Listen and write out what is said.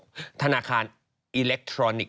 ทำให้ธนาคารพัฒนาตัวเองไปสู่ระบบธนาคารอิเล็กทรอนิกส์